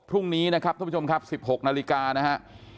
พรุ่งนี้นะครับท่านผู้ชมครับ๑๖นาฬิกานะฮะ